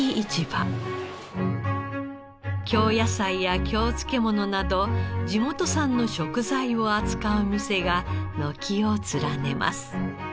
京野菜や京漬物など地元産の食材を扱う店が軒を連ねます。